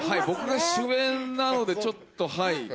僕が主演なのでちょっとはい。